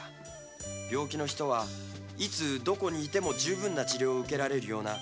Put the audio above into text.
病人がいつどこでも十分な治療を受けられるように！